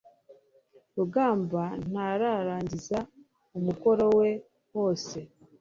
rugamba ntararangiza umukoro we wose